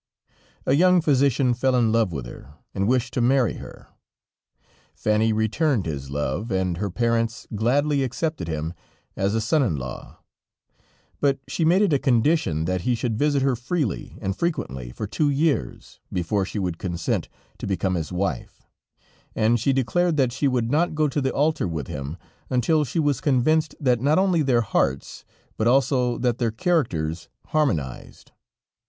A young physician fell in love with her, and wished to marry her; Fanny returned his love, and her parents gladly accepted him as a son in law, but she made it a condition that he should visit her freely and frequently for two years, before she would consent to become his wife, and she declared that she would not go to the altar with him, until she was convinced that not only their hearts, but also that their characters harmonized.